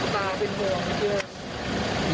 ไม่ได้คุยด้วยเลย